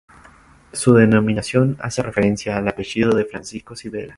Su denominación hace referencia al apellido de Francisco Silvela.